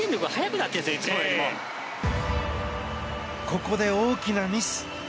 ここで大きなミス。